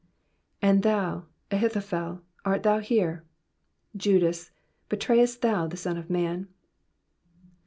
And thou, Ahithophel, art thou here ? Judas, betrayest tJiou the Son of Man?